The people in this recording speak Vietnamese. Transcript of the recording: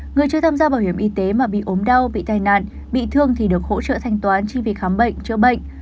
người chưa tham gia bảo hiểm y tế mà bị ốm đau bị tai nạn bị thương thì được hỗ trợ thanh toán chi phí khám bệnh chữa bệnh